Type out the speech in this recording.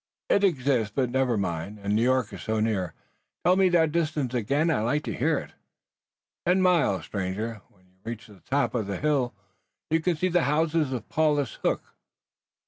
"It exists, but never mind. And New York is so near? Tell me that distance again. I like to hear it." "Ten miles, stranger. When you reach the top of the hill there you can see the houses of Paulus Hook."